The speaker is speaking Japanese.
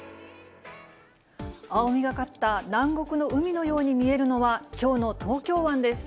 青みがかった南国の海のように見えるのは、きょうの東京湾です。